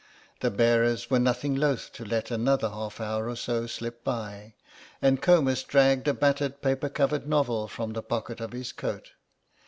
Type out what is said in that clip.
The bearers were nothing loth to let another half hour or so slip by, and Comus dragged a battered paper covered novel from the pocket of his coat.